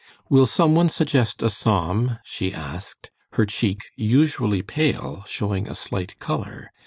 "Will some one suggest a Psalm?" she asked, her cheek, usually pale, showing a slight color.